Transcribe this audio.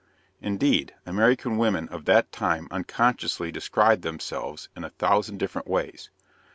Indeed, American women of that time unconsciously described themselves in a thousand different ways.